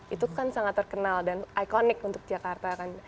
itu kan sangat terkenal dan ikonik untuk jakarta